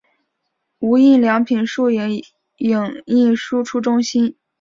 无印良品数位影印输出中心